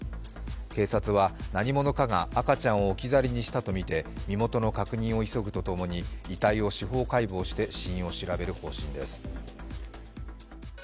警察は何者かが赤ちゃんを置き去りにしたとみて身元の確認を急ぐとともに遺体を司法解剖して死因を調べる方針です。